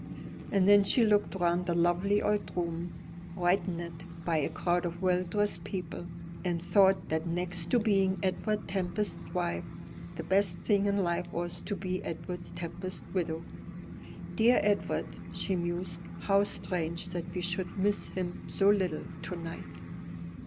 And then she looked round the lovely old room, brightened by a crowd of well dressed people, and thought that next to being Edward Tempest's wife, the best thing in life was to be Edward Tempest's widow. "Dear Edward!" she mused, "how strange that we should miss him so little to night."